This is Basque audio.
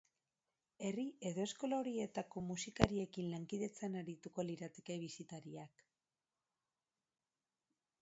Herri edo eskola horietako musikariekin lankidetzan arituko lirateke bisitariak.